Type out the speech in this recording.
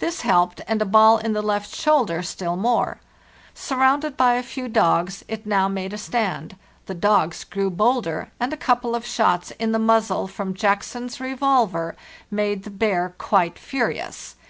This helped, and a ball in the left shoulder still more. Surrounded by a few dogs, it now made a stand. erew bolder, and a couple of shots in the The dogs g muzzle from Jackson's revolver made the bear quite fu rious.